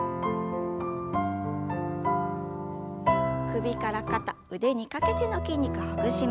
首から肩腕にかけての筋肉ほぐします。